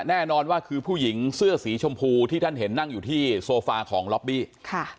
แน่นอนว่าคือผู้หญิงเสื้อสีชมพูที่ท่านเห็นนั่งอยู่ที่โซฟาของล็อบบี้ค่ะ